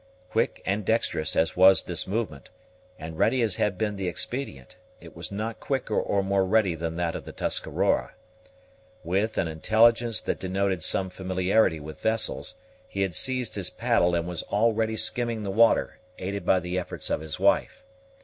Quick and dexterous as was this movement, and ready as had been the expedient, it was not quicker or more ready than that of the Tuscarora. With an intelligence that denoted some familiarity with vessels, he had seized his paddle and was already skimming the water, aided by the efforts of his wife.